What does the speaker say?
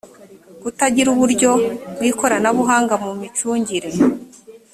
kutagira uburyo bw ikoranabuhanga mu micungire